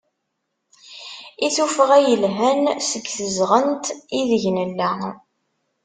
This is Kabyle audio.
I tuffɣa yelhan seg tezɣent ideg nella.